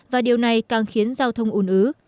và điều này càng khiến giao thông ồn ứ